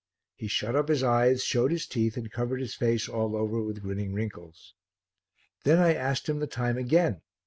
He shut up his eyes, showed his teeth and covered his face all over with grinning wrinkles. Then I asked him the time again.